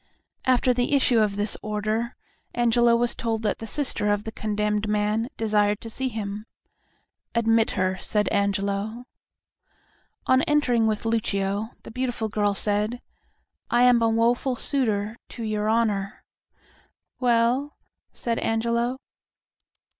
After the issue of this order Angelo was told that the sister of the condemned man desired to see him. "Admit her," said Angelo. On entering with Lucio, the beautiful girl said, "I am a woeful suitor to your Honor." "Well?" said Angelo.